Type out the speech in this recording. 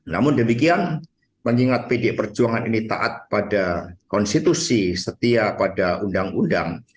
namun demikian mengingat pdi perjuangan ini taat pada konstitusi setia pada undang undang